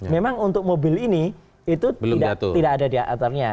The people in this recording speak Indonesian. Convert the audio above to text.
memang untuk mobil ini itu tidak ada dia aturnya